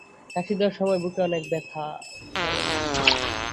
কাশি দেওয়ার সময় বুকে অনেক ব্যথা করে।